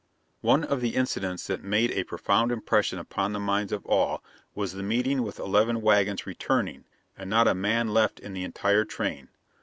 One of the incidents that made a profound impression upon the minds of all was the meeting with eleven wagons returning, and not a man left in the entire train.